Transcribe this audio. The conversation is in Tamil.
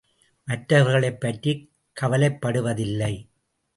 மற்றவர்களைப் பற்றிக் கவலைப்படுவதில்லை!